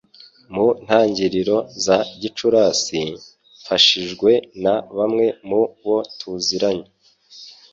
mu ntangiriro za Gicurasi, mfashijwe na bamwe mu bo tuziranye,